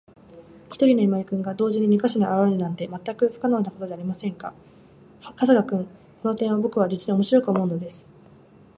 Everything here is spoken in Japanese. ひとりの今井君が、同時に二ヵ所にあらわれるなんて、まったく不可能なことじゃありませんか。春木さん、この点をぼくは、じつにおもしろく思うのです。